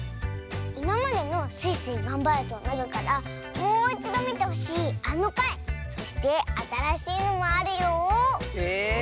いままでの「スイスイ！がんばるぞ」のなかからもういちどみてほしいあのかいそしてあたらしいのもあるよ。